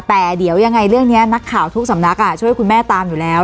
แต่เดี๋ยวยังไงเรื่องนี้นักข่าวทุกสำนักช่วยคุณแม่ตามอยู่แล้ว